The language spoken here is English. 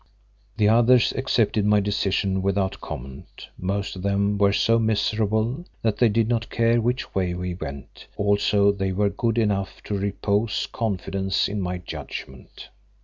The others accepted my decision without comment; most of them were so miserable that they did not care which way we went, also they were good enough to repose confidence in my judgment.